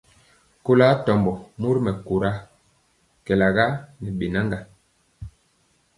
Kɔlo atɔmbɔ mori mɛkóra kɛɛla ne bɛnaga.